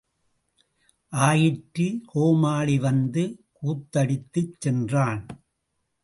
ஆயிற்று, கோமாளி வந்து கூத்தடித்துச் சென்றான்.